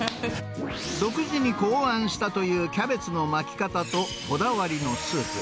独自に考案したというキャベツの巻き方とこだわりのスープ。